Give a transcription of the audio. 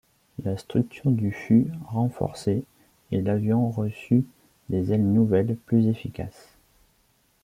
La structure du fut renforcée et l'avion reçut des ailes nouvelles plus efficaces.